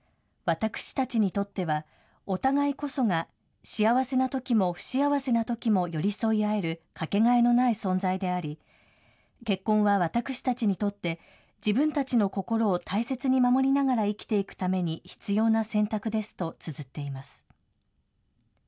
私たちにとっては、お互いこそが幸せなときも、不幸せなときも寄り添い合える掛けがえのない存在であり、結婚は私たちにとって自分たちの心を大切に守りながら生きていくために必要な選択ですとつづっています。